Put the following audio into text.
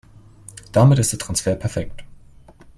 Damit ist der Transfer perfekt.